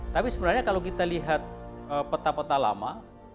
tapi sebenarnya kalau kita lihat peta peta lama